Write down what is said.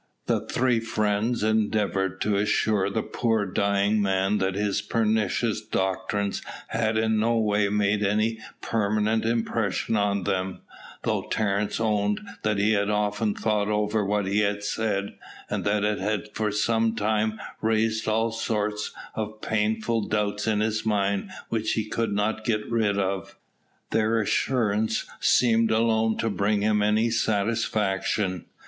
The three friends endeavoured to assure the poor dying man that his pernicious doctrines had in no way made any permanent impression on them, though Terence owned that he had often thought over what he had said, and that it had for some time raised all sorts of painful doubts in his mind which he could not get rid of. Their assurance seemed alone to bring him any satisfaction.